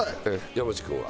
山内君は？